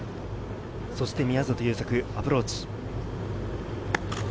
そして宮里優作、アプローチ。